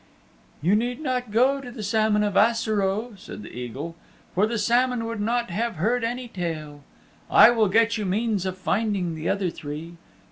"You need not go to the Salmon of Assaroe," said the Eagle, "for the Salmon would not have heard any tale. I will get you means of finding the other three.